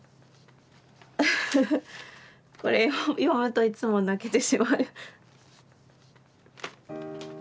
これを読むといつも泣けてしまう。